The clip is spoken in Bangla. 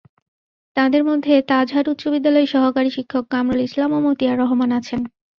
তাঁদের মধ্যে তাজহাট উচ্চবিদ্যালয়ের সহকারী শিক্ষক কামরুল ইসলাম ও মতিয়ার রহমান আছেন।